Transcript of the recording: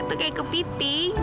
itu kayak kepiting